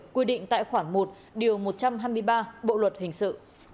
quy định tại khoản một điều một trăm hai mươi ba bộ luật hình sự